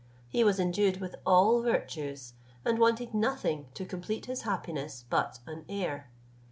He was endued with all virtues, and wanted nothing to complete his happiness but an heir.